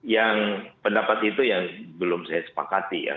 yang pendapat itu yang belum saya sepakati ya